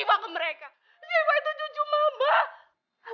aku gak boleh